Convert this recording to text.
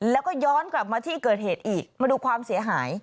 แล้วก็ย้อนกลับมาที่เกิดเหตุอีกมาดูความเสียหาย